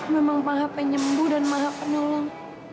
memang maha penyembuh dan maha penolong